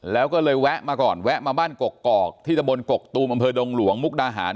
แล้วก็เลยแวะมาก่อนแวะมาบ้านกกอกที่ตะบนกกตูมอำเภอดงหลวงมุกดาหาร